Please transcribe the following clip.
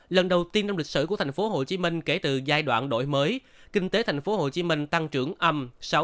lần đầu tiên trong lịch sử của tp hcm kể từ giai đoạn đổi mới kinh tế tp hcm tăng trưởng âm sáu bảy mươi tám